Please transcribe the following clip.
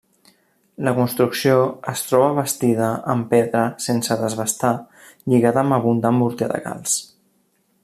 La construcció es troba bastida amb pedra sense desbastar lligada amb abundant morter de calç.